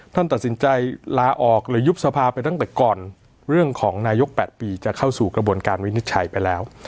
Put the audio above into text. ท่านตัดสินใจลาออกหรือยุบสภาไปตั้งแต่ก่อนเรื่องของนายก๘ปีจะเข้าสู่กระบวนการวินิจฉัยไปแล้ว